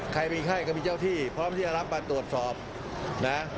ใครมีไข้ก็มีเจ้าที่พร้อมที่จะรับมาตรวจสอบนะ